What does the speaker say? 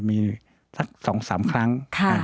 มีสัก๒๓ครั้ง